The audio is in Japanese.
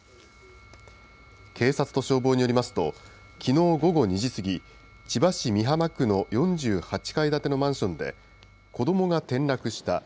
警察と消防によりますと、きのう午後２時過ぎ、千葉市美浜区の４８階建てのマンションで、子どもが転落した。